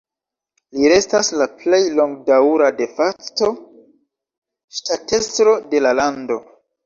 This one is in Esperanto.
Li restas la plej longdaŭra "de facto" ŝtatestro de la lando.